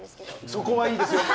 そこはいいですよ。